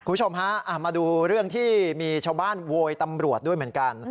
คุณผู้ชมฮะมาดูเรื่องที่มีชาวบ้านโวยตำรวจด้วยเหมือนกัน